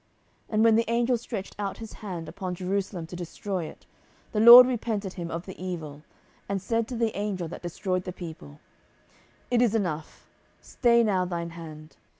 10:024:016 And when the angel stretched out his hand upon Jerusalem to destroy it, the LORD repented him of the evil, and said to the angel that destroyed the people, It is enough: stay now thine hand.